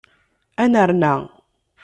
Ad nerna.